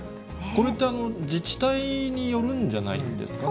これって、自治体によるんじゃないんですかね。